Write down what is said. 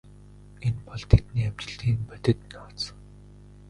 Энэ бол тэдний амжилтын бодит нууц.